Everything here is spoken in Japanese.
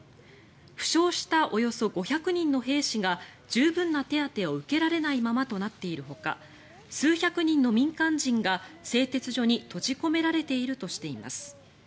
負傷したおよそ５００人の兵士が十分な手当てを受けられないままとなっているほか数百人の民間人が製鉄所に閉じ込められているとしています。